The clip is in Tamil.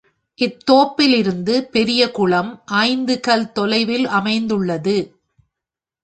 இத் தோப்பிலிருந்து பெரியகுளம் ஐந்து கல் தொலைவில் அமைந்துள்ளது.